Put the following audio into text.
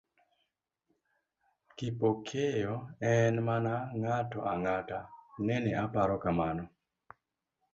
Kipokeo en mana ng'ato ang'ata…nene oparo kamano.